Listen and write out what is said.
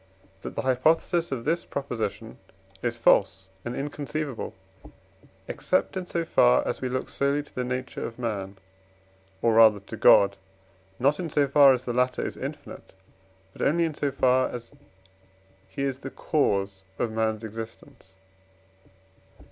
that the hypothesis of this Proposition is false and inconceivable, except in so far as we look solely to the nature of man, or rather to God; not in so far as the latter is infinite, but only in so far as he is the cause of man's existence.